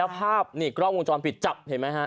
เนี่ยภาพนี่กล้องวงจรปิดจับเห็นมั้ยฮะ